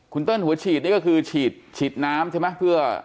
คุณเต้นหัวฉีดนี่ก็คือฉีดน้ำใช่ไหม